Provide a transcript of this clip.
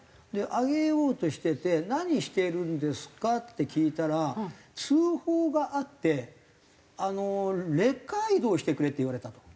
上げようとしてて「何してるんですか？」って聞いたら「通報があってレッカー移動してくれ」って言われたと。